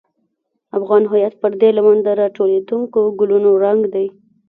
افغان هویت پر دې لمن د راټوکېدونکو ګلونو رنګ دی.